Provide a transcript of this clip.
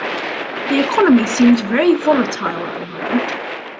The economy seems very volatile at the moment.